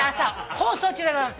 放送中でございます。